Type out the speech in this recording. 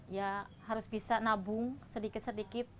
ya harus bisa nabung sedikit sedikit